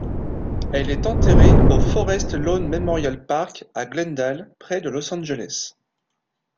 Elle est enterrée au Forest Lawn Memorial Park à Glendale, près de Los Angeles.